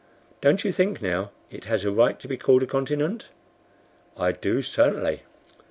Don't you think now it has a right to be called a continent?" "I do, certainly."